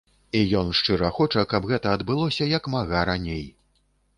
І ён шчыра хоча, каб гэта адбылося як мага раней.